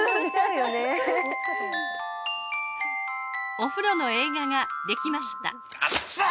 お風呂の映画ができました。